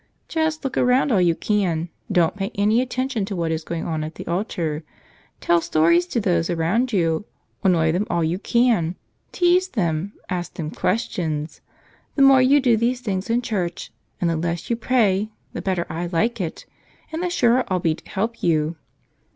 Just look around all you can; don't pay any attention to what is going on at the altar; tell stories to those around you; annoy them all you can ; tease them ; ask them questions. The more you do these things in church and the less you pray the better I like it and the surer I'll be to help you."